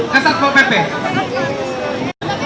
ke satpol pp